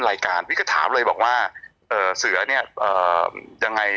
รายการพี่ก็ถามเลยบอกว่าเอ่อเสือเนี่ยเอ่อยังไง